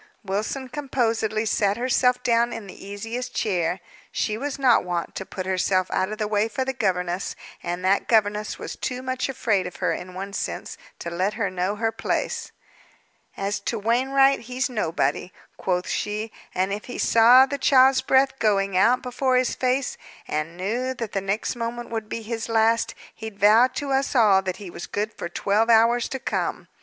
Wilson composedly sat herself down in the easiest chair. She was not wont to put herself out of the way for the governess; and that governess was too much afraid of her, in one sense, to let her know her place. "As to Wainwright, he's nobody," quoth she. "And if he saw the child's breath going out before his face, and knew that the next moment would be his last, he'd vow to us all that he was good for twelve hours to come.